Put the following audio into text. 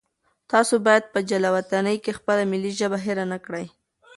تاسو باید په جلاوطنۍ کې خپله ملي ژبه هېره نه کړئ.